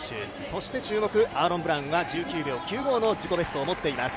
そして注目、アーロン・ブラウンは１９秒９５の自己ベストを持っています